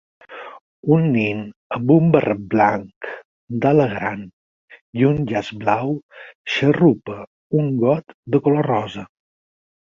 Un nen amb un barret blanc d'ala gran i un llaç blau xarrupa un got de color rosa